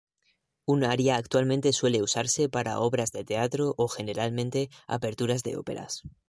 Un aria actualmente suele usarse para obras de teatro o, generalmente, aperturas de óperas.